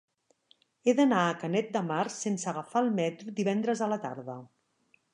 He d'anar a Canet de Mar sense agafar el metro divendres a la tarda.